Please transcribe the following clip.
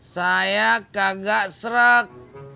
saya kagak serak